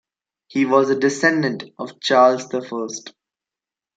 He was a descendant of Charles the First.